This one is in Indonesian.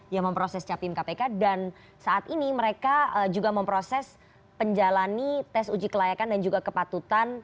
yang memproses capim kpk dan saat ini mereka juga memproses penjalani tes uji kelayakan dan juga kepatutan